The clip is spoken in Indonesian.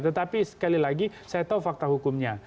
tetapi sekali lagi saya tahu fakta hukumnya